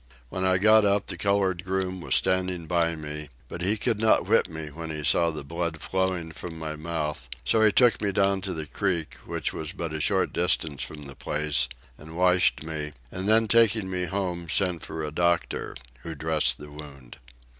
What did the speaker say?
When I got up the colored groom was standing by me, but he could not whip me when he saw the blood flowing from my mouth, so he took me down to the creek, which was but a short distance from the place, and washed me, and then taking me home, sent for a doctor, who dressed the wound.